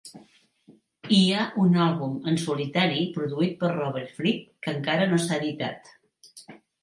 Hi ha un àlbum en solitari produït per Robert Fripp que en cara no s'ha editat.